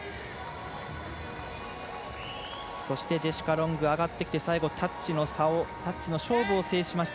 そしてジェシカ・ロング上がってきて、最後タッチの勝負を制しました。